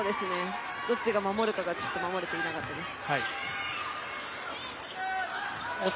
どっちが守るかが、ちょっと守れていなかったです。